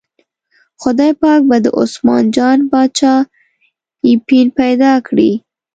خدای پاک به د عثمان جان باچا اپین پیدا کړي.